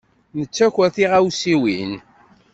Nettaker tiɣawsiwin.